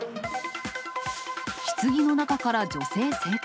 ひつぎの中から女性生還。